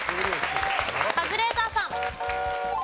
カズレーザーさん。